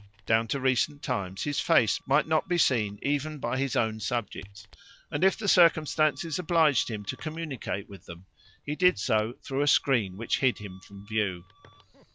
Down to recent times his face might not be seen even by his own subjects, and if circumstances obliged him to communicate with them he did so through a screen which hid him from view.